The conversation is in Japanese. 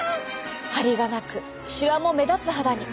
はりがなくしわも目立つ肌に。